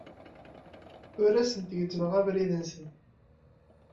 Ur asent-gezzmeɣ abrid-nsent.